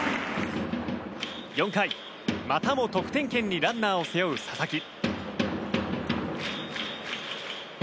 ４回、またも得点圏にランナーを背負う佐々木。